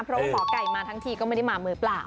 เพราะว่าหมอไก่มาทั้งทีก็ไม่ได้มามือเปล่า